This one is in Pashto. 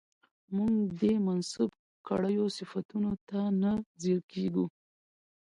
موږ دې منسوب کړيو صفتونو ته نه ځير کېږو